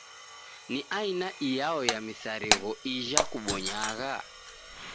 Ni aina iyao ya misarigho ijha kubonyagha?